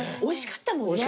おいしかった。